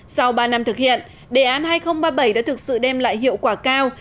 sau ba năm thực hiện đề án hai nghìn ba mươi bảy đã thực sự đem lại hiệu quả cao